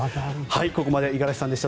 ここまで五十嵐さんでした。